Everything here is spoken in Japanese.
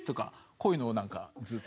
こういうのをなんかずっと。